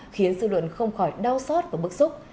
khiến dư luận không khỏi đau xót và bức xúc